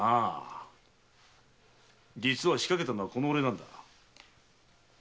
実は仕掛けたのはこのおれなんだ。